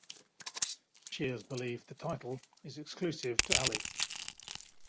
Shias believe the title is exclusive to Ali.